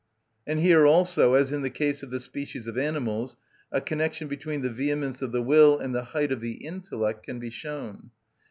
And here also, as in the case of the species of animals, a connection between the vehemence of the will and the height of the intellect can be shown.